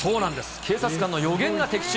警察官の予言が的中。